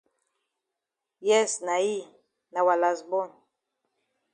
Yes na yi, na wa las bon.